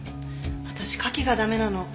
私牡蠣が駄目なの。